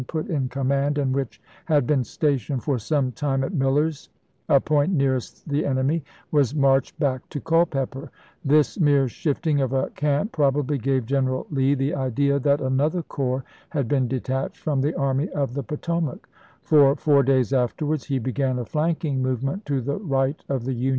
399 put in command, and which had been stationed for some time at Miller's, a point nearest the enemy, was marched back to Culpeper ; this mere shifting of a camp probably gave Greneral Lee the idea that another corps had been detached from the Army of the Potomac ; for, four days afterwards, he began a flanking movement to the right of the Union line.